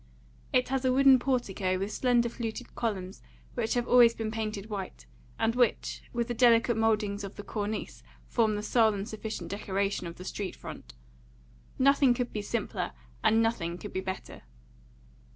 It has a wooden portico, with slender fluted columns, which have always been painted white, and which, with the delicate mouldings of the cornice, form the sole and sufficient decoration of the street front; nothing could be simpler, and nothing could be better.